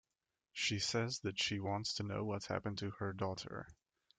She says that she wants to know what happened to her daughter.